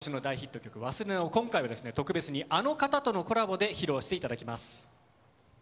今年の大ヒット曲『勿忘』を今回は特別にあの方とのコラボで披露していただきます。